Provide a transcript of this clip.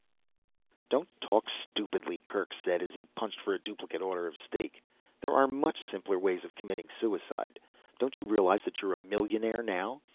IV. "Don't talk stupidly," Kerk said as he punched for a duplicate order of steak. "There are much simpler ways of committing suicide. Don't you realize that you're a millionaire now?